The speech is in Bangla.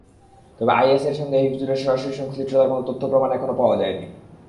তবে আইএসের সঙ্গে হিফজুরের সরাসরি সংশ্লিষ্টতার কোনো তথ্য-প্রমাণ এখনো পাওয়া যায়নি।